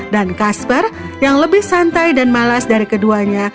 dan kasper yang lebih santai dan malas dari keduanya